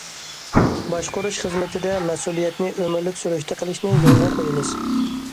باشقۇرۇش خىزمىتىدە مەسئۇلىيەتنى ئۆمۈرلۈك سۈرۈشتە قىلىشنى يولغا قويىمىز.